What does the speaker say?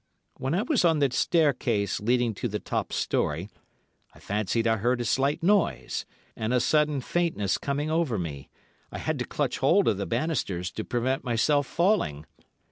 When I was on the staircase leading to the top storey, I fancied I heard a slight noise, and a sudden faintness coming over me, I had to clutch hold of the banisters to prevent myself falling.